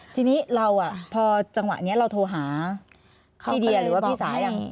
ทีนี้เราพอจังหวะนี้เราโทรหาพี่เดียหรือว่าพี่สายัง